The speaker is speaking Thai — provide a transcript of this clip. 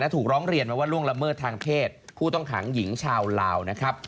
ถูกร้องเรียนมาว่าล่วงละเมิดทางเพศผู้ต้องขังหญิงชาวลาวนะครับ